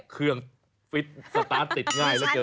เครื่องฟิตสตาร์ทติดง่ายเหลือเกิน